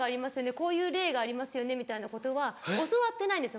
こういう例がありますよねみたいなことは教わってないんですよ